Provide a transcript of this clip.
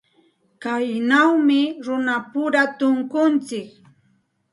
Kaynawmi runapura tunkuntsik.